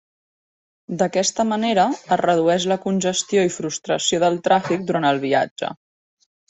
D'aquesta manera, es redueix la congestió i frustració del tràfic durant el viatge.